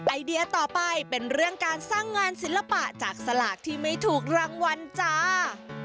ไอเดียต่อไปเป็นเรื่องการสร้างงานศิลปะจากสลากที่ไม่ถูกรางวัลจ้า